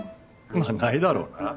まあ無いだろうな。